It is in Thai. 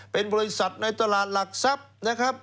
เป็นบริษัทในตลาดหลักทรัพย์นะครับ